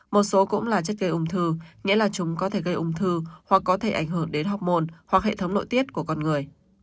một số cũng là chất gây ung thư nghĩa là chúng có thể gây ung thư hoặc có thể ảnh hưởng đến học môn hoặc hệ thống nội tiết của con người